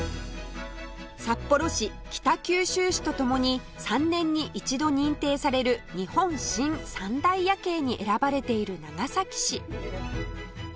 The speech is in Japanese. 札幌市北九州市と共に３年に一度認定される日本新三大夜景に選ばれている長崎市